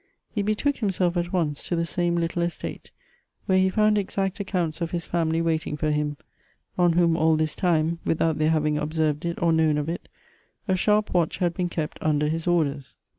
He betook himself at once to the same little estate, where he found exact accounts of his family waiting for him, on whom all this time, without their having ob served it or known of it, a sharp watch had been kept under his orders.